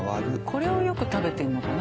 これをよく食べてるのかな？